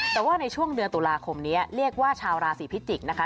แต่ว่าในช่วงเดือนตุลาคมนี้เรียกว่าชาวราศีพิจิกษ์นะคะ